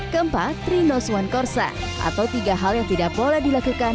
ketiga tiga knows one korsa atau tiga hal yang tidak boleh dilakukan